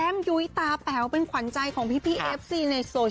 แก้มยุ้ยตาแป๋วเป็นขวัญใจของพี่เอฟซีในโซเชียลนะ